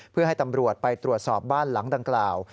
เพื่อให้ตำรวจไปตรวจสอบบ้านหลังดังกล่าว